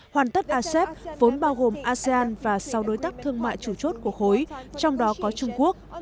hoàn tất asep vốn bao gồm asean và sáu đối tác thương mại chủ chốt của khối trong đó có trung quốc